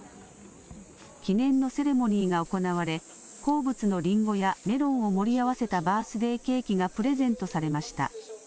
記念のセレモニーが行われ、好物のリンゴやメロンを盛り合わせたバースデーケーキがプレゼントされました。